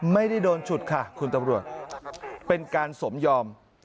ไม่ได้โดนฉุดค่ะคุณตำรวจเป็นการสมยอม